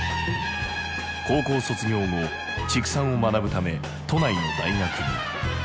高校卒業後畜産を学ぶため都内の大学に。